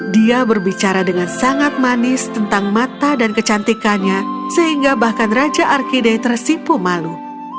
dia berbicara dengan sangat manis tentang mata dan kecantikannya sehingga bahkan raja arkide tersipu malu